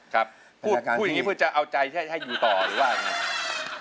พูดอย่างนี้เพื่อจะเอาใจให้อยู่ต่อหรือว่ายังไง